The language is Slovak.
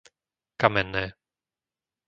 Kamenné